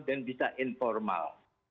dan bisa informal